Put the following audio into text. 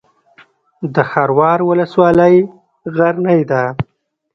د خروار ولسوالۍ غرنۍ ده